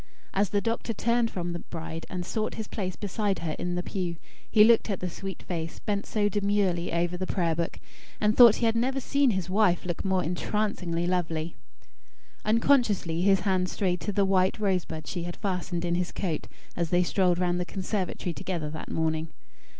As the doctor turned from the bride, and sought his place beside her in the pew, he looked at the sweet face, bent so demurely over the prayer book, and thought he had never seen his wife look more entrancingly lovely. Unconsciously his hand strayed to the white rosebud she had fastened in his coat as they strolled round the conservatory together that morning.